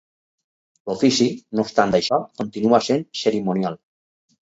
L'ofici, no obstant això, continua sent cerimonial.